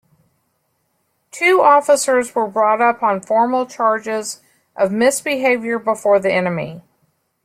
Two officers were brought up on formal charges of misbehavior before the enemy.